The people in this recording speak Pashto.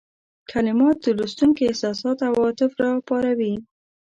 کلمات د لوستونکي احساسات او عواطف را وپاروي.